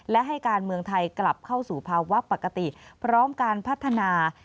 และให้การเมืองไทยกลับเข้าสู่ภาวะปกติพร้อมการพัฒนา